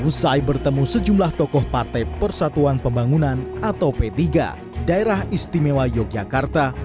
usai bertemu sejumlah tokoh partai persatuan pembangunan atau p tiga daerah istimewa yogyakarta